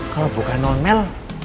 kalo bukan om mel